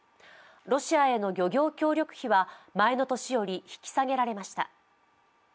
ロシアへの漁業協力費は前の年より引き下げられました。